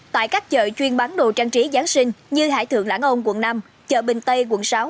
tại các chợ chuyên bán đồ trang trí giáng sinh như hải thượng lãng ông quận năm chợ bình tây quận sáu